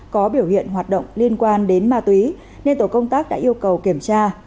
có biểu hiện hoạt động liên quan đến ma túy nên tổ công tác đã yêu cầu kiểm tra